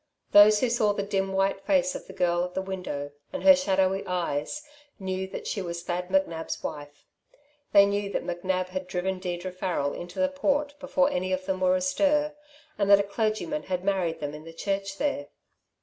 Those who saw the dim white face of the girl at the window, and her shadowy eyes, knew that she was Thad McNab's wife. They knew that McNab had driven Deirdre Farrel into the Port before any of them were astir and that a clergyman had married them in the church there.